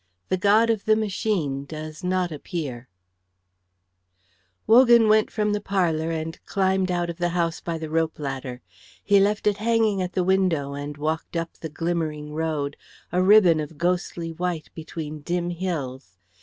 You are on the wrong side of the border." CHAPTER XX Wogan went from the parlour and climbed out of the house by the rope ladder. He left it hanging at the window and walked up the glimmering road, a ribbon of ghostly white between dim hills.